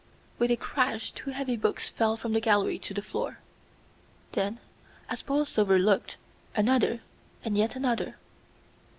With a crash two heavy books fell from the gallery to the floor; then, as Borlsover looked, another and yet another.